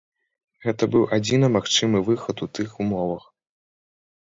Гэта быў адзіна магчымы выхад у тых умовах.